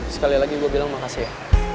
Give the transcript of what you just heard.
sekali lagi gue bilang makasih ya